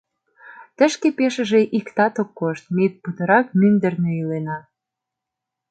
Тышке пешыже иктат ок кошт, ме путырак мӱндырнӧ илена.